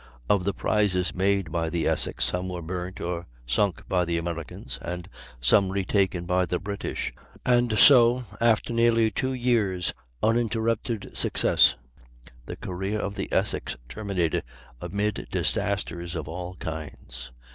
Of the prizes made by the Essex, some were burnt or sunk by the Americans, and some retaken by the British. And so, after nearly two years' uninterrupted success, the career of the Essex terminated amid disasters of all kinds.